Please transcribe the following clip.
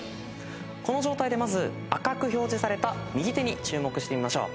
この状態でまず赤く表示された右手に注目してみましょう。